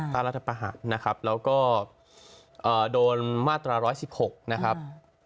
ต้านรัฐประหัสนะครับแล้วก็โดนมาตราร้อยสิบหกนะครับ